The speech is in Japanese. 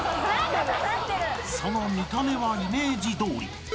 ［その見た目はイメージどおり］